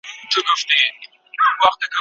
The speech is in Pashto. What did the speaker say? له سالو سره به څوك ستايي اورونه